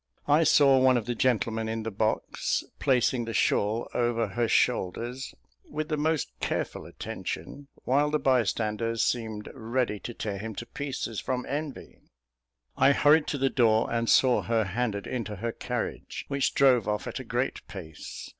I saw one of the gentlemen in the box placing the shawl over her shoulders, with the most careful attention, while the bystanders seemed ready to tear him in pieces, from envy. I hurried to the door, and saw her handed into her carriage, which drove off at a great pace.